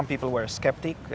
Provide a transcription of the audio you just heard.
beberapa orang sceptik